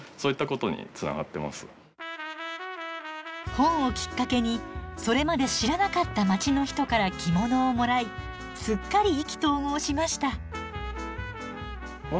本をきっかけにそれまで知らなかった街の人から着物をもらいすっかり意気投合しました。